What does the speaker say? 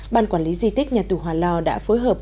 ban quản lý di tích nhà tù hòa lò đã phối hợp